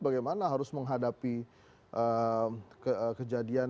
bagaimana harus menghadapi kejadian